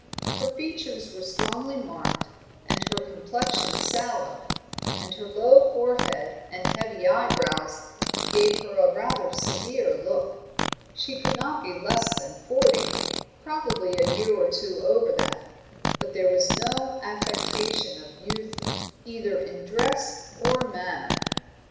Her features were strongly marked, and her complexion sallow, and her low forehead and heavy eyebrows gave her rather a severe look. She could not be less than forty, probably a year or two over that, but there was no affectation of youth, either in dress or manner.